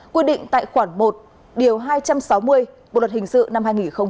quy định tại khoảng một hai trăm sáu mươi bộ luật hình sự năm hai nghìn một mươi năm